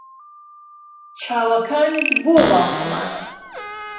چاوەکانت بۆوا خومارە